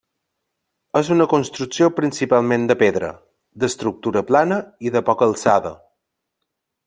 És una construcció principalment de pedra, d'estructura plana i de poca alçada.